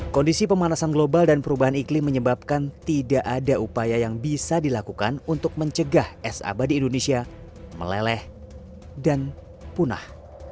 kondisi pemanasan global dan perubahan iklim menyebabkan tidak ada upaya yang bisa dilakukan untuk mencegah es abadi indonesia meleleh dan punah